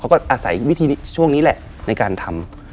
ก็อาศัยวิธีช่วงนี้แหละในการทำ